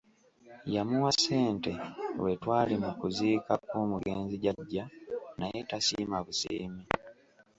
Yamuwa ssente lwe twali mu kuziika kw’omugenzi jjajja naye tasiima busiimi.